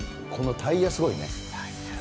タイヤすごい。